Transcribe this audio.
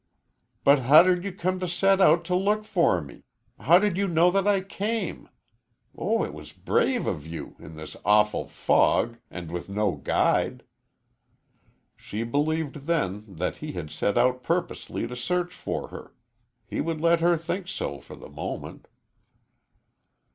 "But how did you come to set out to look for me? How did you know that I came? Oh, it was brave of you in this awful fog and with no guide!" She believed, then, that he had set out purposely to search for her. He would let her think so for the moment.